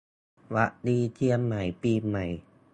หวัดดีเชียงใหม่ปีใหม่